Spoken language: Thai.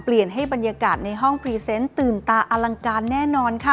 ให้บรรยากาศในห้องพรีเซนต์ตื่นตาอลังการแน่นอนค่ะ